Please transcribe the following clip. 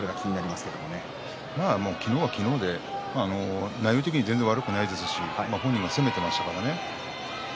まあ、昨日は昨日で内容的には全然悪くないですし本人は攻めてますからね。